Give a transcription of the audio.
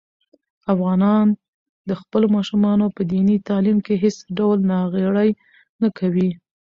افغانان د خپلو ماشومانو په دیني تعلیم کې هېڅ ډول ناغېړي نه کوي.